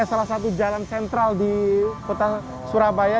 salah satu jalan sentral di kota surabaya